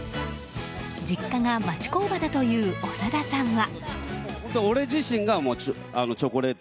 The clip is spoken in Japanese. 実家が町工場だという長田さんは。